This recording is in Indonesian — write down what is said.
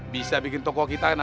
biasa buat kalau nota aja